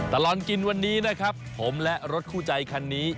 ตลอดกินวันนี้นะครับผมและรถคู่ใจคันนี้